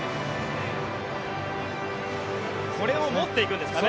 これを持っていくんですかね。